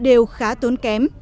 đều khá tốn kém